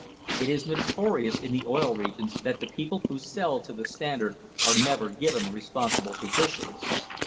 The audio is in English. It is notorious in the Oil Regions that the people who "sell" to the Standard are never given responsible positions.